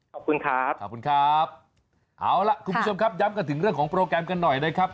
ขอบคุณครับขอบคุณครับเอาล่ะคุณผู้ชมครับย้ำกันถึงเรื่องของโปรแกรมกันหน่อยนะครับ